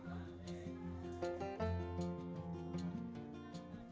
atung menggunakan video pembelajaran tersebut